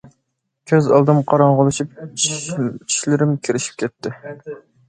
كۆز ئالدىم قاراڭغۇلىشىپ، چىشلىرىم كىرىشىپ كەتتى.